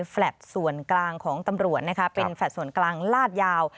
แลตส่วนกลางของตำรวจนะคะเป็นแฟลต์ส่วนกลางลาดยาว